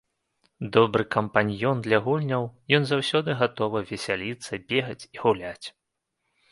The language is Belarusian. Добры кампаньён для гульняў, ён заўсёды гатовы весяліцца, бегаць і гуляць.